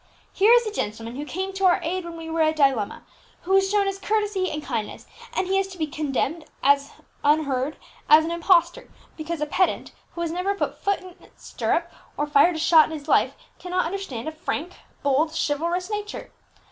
"Here is a gentleman who came to our aid when we were in a dilemma, who has shown us courtesy and kindness, and he is to be condemned, unheard, as an impostor, because a pedant, who has never put foot in stirrup or fired a shot in his life, cannot understand a frank, bold, chivalrous nature.